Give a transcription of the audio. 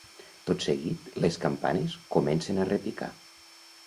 Tot seguit les campanes comencen a repicar.